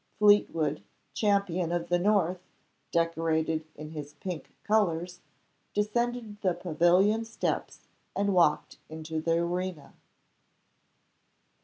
Fleetwood, champion of the North, decorated in his pink colors, descended the pavilion steps and walked into the arena.